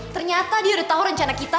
ternyata dia udah tahu rencana kita